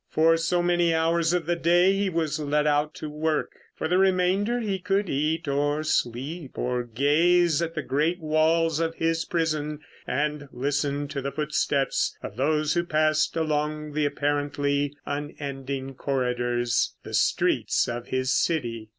For so many hours of the day he was let out to work; for the remainder he could eat or sleep or gaze at the great walls of his prison and listen to the footsteps of those who passed along the apparently unending corridors—the streets of his city.